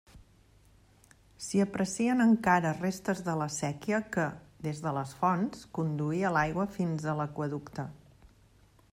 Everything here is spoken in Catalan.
S'hi aprecien encara restes de la séquia que, des de les fonts, conduïa l'aigua fins a l'aqüeducte.